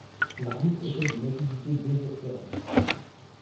La route était d’une avidité désespérante